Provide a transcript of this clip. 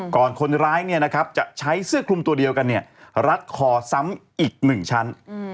คนร้ายจะใช้เสื้อคลุมตัวเดียวกันรัดคอซ้ำอีก๑ชั้น